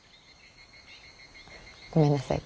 ごめんなさい。